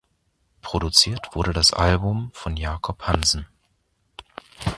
Produziert wurde das Album von Jacob Hansen.